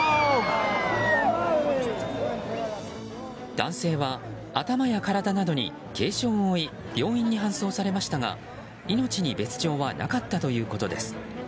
男性は頭や体などに軽傷を負い病院に搬送されましたが命に別条はなかったということです。